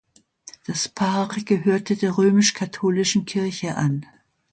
Das Paar gehörte der römisch-katholischen Kirche an.